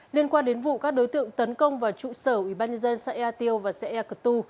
liên quan đến vụ các đối tượng tấn công vào trụ sở ubnd xã ea tiêu và xã ea cờ tu